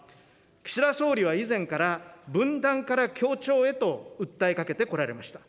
岸田総理は以前から、分断から協調へと訴えかけてこられました。